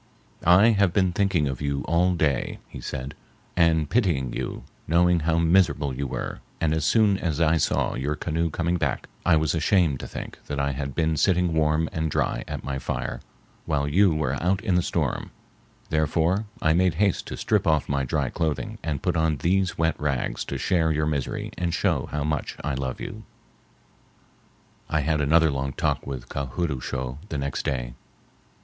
"I have been thinking of you all day," he said, "and pitying you, knowing how miserable you were, and as soon as I saw your canoe coming back I was ashamed to think that I had been sitting warm and dry at my fire while you were out in the storm; therefore I made haste to strip off my dry clothing and put on these wet rags to share your misery and show how much I love you." I had another long talk with Ka hood oo shough the next day.